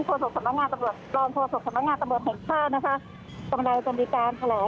เกี่ยวกับเรื่องของการเข้าคุมสู่หากับการเท่านี้ต่อไปค่ะ